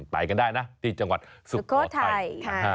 ไปกันได้นะที่จังหวัดสุโขทัย